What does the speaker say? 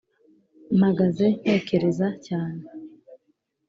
mpagaze ntekereza cyane,,